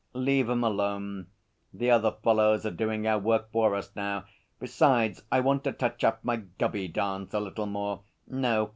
'Leave 'em alone. The other fellows are doing our work for us now. Besides I want to touch up my "Gubby Dance" a little more.' 'No.